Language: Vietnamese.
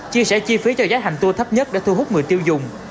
chia sẻ chi phí cho giá hành tour thấp nhất để thu hút người tiêu dùng